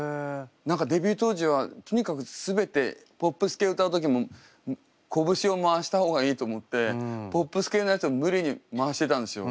何かデビュー当時はとにかく全てポップス系歌う時もこぶしを回した方がいいと思ってポップス系のやつを無理に回してたんですよ。